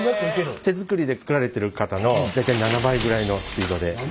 手作りで作られてる方の大体７倍ぐらいのスピードで。